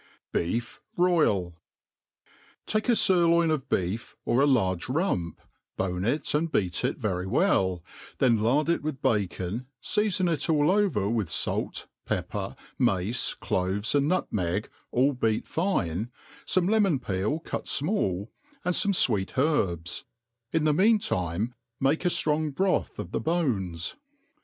^$^ RoyaL TAKE a firloin of beejf, or a large rump, bone it and be^ it very well, then lard rt with bacon, feafon it all over with fait, pepper, mace, cloves, and nutmeg,^ all beat fine, fome lemon peel cut fmall, and fome fweet herbs ; in the mean time make a ftrong broth of t;he bones.